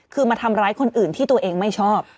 คือมาทำร้ายคนอื่นที่ตัวเองไม่ชอบ